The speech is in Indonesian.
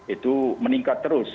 itu meningkat terus